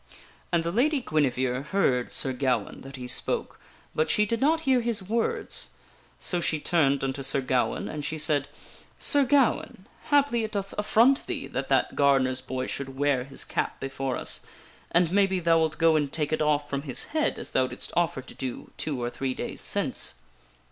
And the Lady Guinevere heard Sir Gawaine that he spoke, but she did not hear his words. So she turned unto Sir Gawaine, and she said :" Sir Gawaine, haply it doth affront thee that that gardener's boy should wear his cap before us, and maybe thou wilt go and take it off from his head as thou didst offer to do two or three days since."